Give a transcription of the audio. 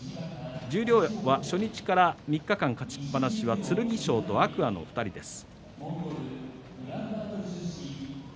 十両は初日から３日間勝ちっぱなしは剣翔と天空海の２人です。